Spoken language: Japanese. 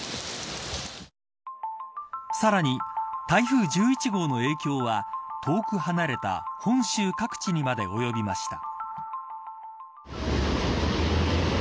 さらに、台風１１号の影響は遠く離れた本州各地にまで及びました。